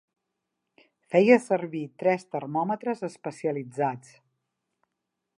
Feia servir tres termòmetres especialitzats.